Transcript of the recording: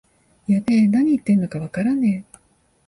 やべえ、なに言ってんのかわからねえ